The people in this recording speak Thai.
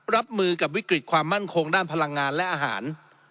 รับมือกับวิกฤตความมั่นคงด้านพลังงานและอาหาร